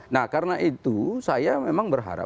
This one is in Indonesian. nah karena itu saya memang berharap